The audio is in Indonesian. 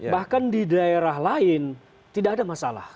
bahkan di daerah lain tidak ada masalah